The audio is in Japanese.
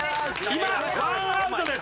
今１アウトです。